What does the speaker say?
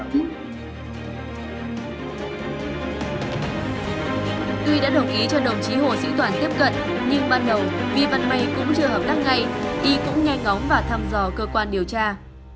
tuy đã đồng ý cho đồng chí hồ sĩ toàn tiếp cận nhưng ban đầu vì mặt may cũng chưa hợp đắc ngay y cũng nhanh ngóng và thăm dò cơ quan điều tra